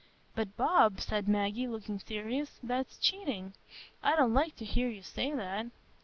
"But Bob," said Maggie, looking serious, "that's cheating; I don't like to hear you say that."